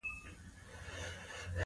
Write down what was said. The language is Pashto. لرګی په ژمي کې ډېر پکار راځي.